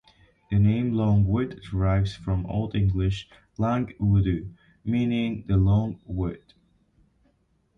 The name Longwood derives from Old English "Lang wudu", meaning "The Long Wood".